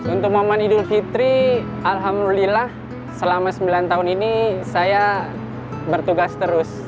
untuk momen idul fitri alhamdulillah selama sembilan tahun ini saya bertugas terus